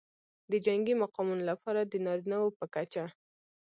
د جنګي مقامونو لپاره د نارینه وو په کچه